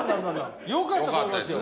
よかったと思いますよ。